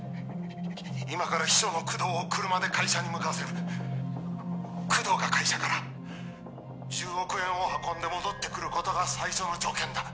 今から秘書の工藤を車で会社に向かわせる工藤が会社から１０億円を運んで戻ってくることが最初の条件だ